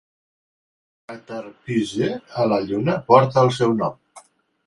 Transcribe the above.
El cràter Puiseux a la Lluna porta el seu nom.